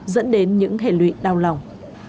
dẫn đến những hệ lụy đau lòng